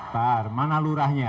bentar mana lurahnya